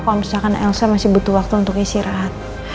kalau misalkan elsa masih butuh waktu untuk istirahat